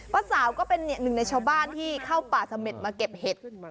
สาวก็เป็นหนึ่งในชาวบ้านที่เข้าป่าเสม็ดมาเก็บเห็ด